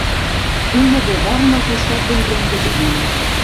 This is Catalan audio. Un nadó dorm al costat d'un ren de joguina.